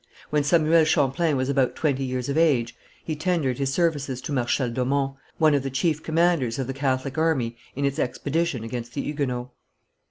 When Samuel Champlain was about twenty years of age, he tendered his services to Marshal d'Aumont, one of the chief commanders of the Catholic army in its expedition against the Huguenots.